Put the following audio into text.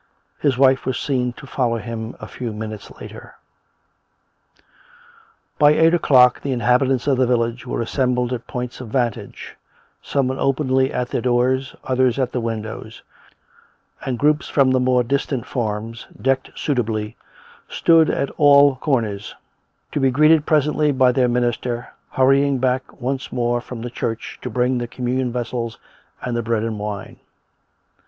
His wife was seen to follow him a few minutes later. By eight o'clock the inhabitants of the village were assembled at points of vantage ; some openly at their doors, others at the windows; and groups from the more distant farms, decked suitably, stood at all corners; to be greeted presently by their minister hurrying back once more from the church to bring the communion vessels and the bread and wine.